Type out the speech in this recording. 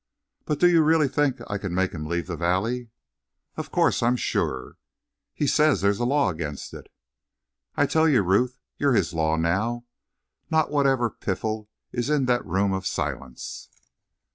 "But do you really think I can make him leave the valley?" "Of course I'm sure." "He says there's a law against it." "I tell you, Ruth, you're his law now; not whatever piffle is in that Room of Silence."